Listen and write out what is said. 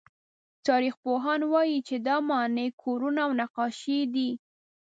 تاریخپوهان وایي چې دا ماڼۍ، کورونه او نقاشۍ دي.